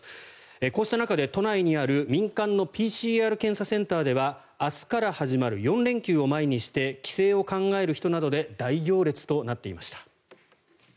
こうした中で都内にある民間のＰＣＲ検査センターでは明日から始まる４連休を前にして帰省を考える人などで大行列となっていました。